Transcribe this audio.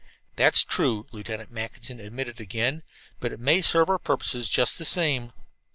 "That's true," Lieutenant Mackinson admitted again, "but it may serve our purposes just the same."